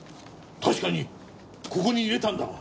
確かにここに入れたんだが。